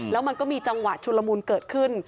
แล้วมันก็มีจังหวะชุลมุนเกิดขึ้น